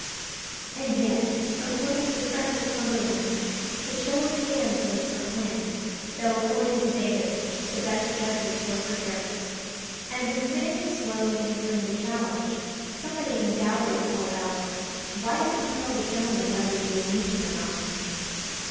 And yet, according to fretful Cumberland, "the show of hands" was for Quin, though, according to Davies, the best judges were for Garrick. And when Quin was slow in answering the challenge, somebody in the gallery called out, "Why don't you tell the gentleman whether you will meet him or not?"